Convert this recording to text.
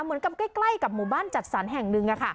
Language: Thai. เหมือนกับใกล้กับหมู่บ้านจัดสรรแห่งหนึ่ง